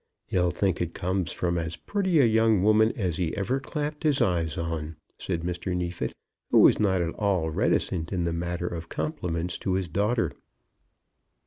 "He'll think it comes from as pretty a young woman as he ever clapped his eyes on," said Mr. Neefit, who was not at all reticent in the matter of compliments to his daughter.